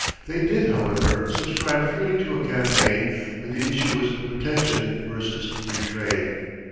They did, however, subscribe freely to a campaign when the issue was Protection versus Free Trade.